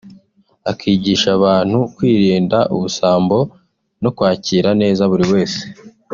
akigisha abantu kwirinda ubusambo no kwakira neza buri wese